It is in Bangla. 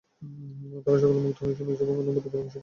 তারা সকলেই মুগ্ধ হয়ে শুনেছেন এবং বঙ্গানুবাদের পরামর্শ দিয়েছেন।